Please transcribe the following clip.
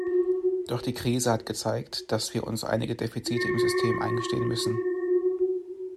Doch die Krise hat gezeigt, dass wir uns einige Defizite im System eingestehen müssen.